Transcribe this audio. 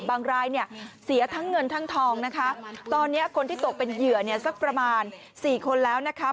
รายเนี่ยเสียทั้งเงินทั้งทองนะคะตอนนี้คนที่ตกเป็นเหยื่อเนี่ยสักประมาณสี่คนแล้วนะคะ